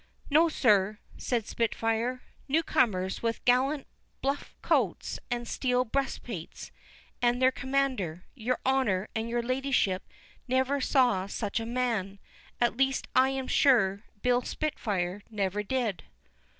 "No, sir," said Spitfire, "new comers, with gallant buff coats and steel breastplates; and their commander—your honour and your ladyship never saw such a man—at least I am sure Bill Spitfire never did."